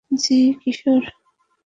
জি, কিশোর।